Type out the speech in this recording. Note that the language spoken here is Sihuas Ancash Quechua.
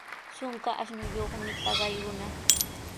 Trunka ashnuyuqmi taqay runa.